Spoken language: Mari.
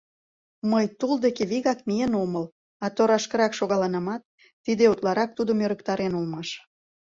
Мый тул деке вигак миен омыл, а торашкырак шогалынамат, тиде утларак тудым ӧрыктарен улмаш.